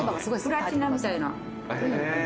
「プラチナみたいな」